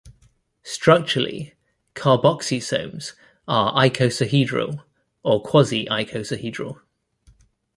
Structurally, carboxysomes are icosahedral, or quasi-icosahedral.